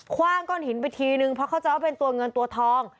ว่างก้อนหินไปทีนึงเพราะเข้าใจว่าเป็นตัวเงินตัวทอง